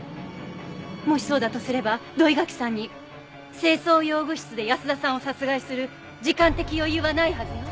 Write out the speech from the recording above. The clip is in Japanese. もしそうだとすれば土居垣さんに清掃用具室で保田さんを殺害する時間的余裕はないはずよ。